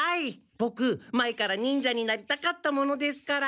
ボク前から忍者になりたかったものですから。